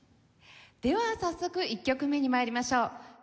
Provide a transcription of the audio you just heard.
では早速１曲目に参りましょう。